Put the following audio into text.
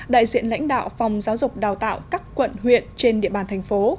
đại diện lãnh đạo phòng giáo dục đào tạo các quận huyện trên địa bàn thành phố